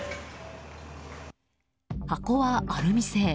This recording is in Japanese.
箱はアルミ製。